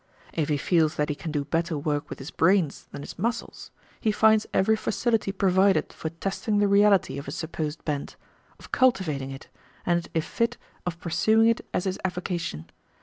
If he feels that he can do better work with his brains than his muscles, he finds every facility provided for testing the reality of his supposed bent, of cultivating it, and if fit of pursuing it as his avocation.